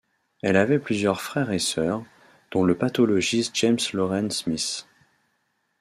Elle avait plusieurs frères et sœurs, dont le pathologiste James Lorrain Smith.